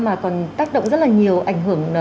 mà còn tác động rất là nhiều ảnh hưởng